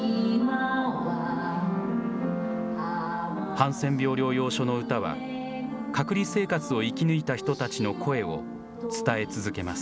ハンセン病療養所の歌は、隔離生活を生き抜いた人たちの声を伝え続けます。